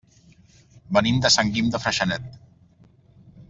Venim de Sant Guim de Freixenet.